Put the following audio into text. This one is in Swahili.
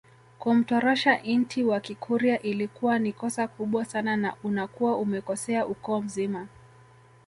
Kumtorosha inti wa kikurya ilikuwa ni kosa kubwa sana na unakuwa umekosea ukoo mzima